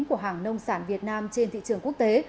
của hàng nông sản việt nam trên thị trường quốc tế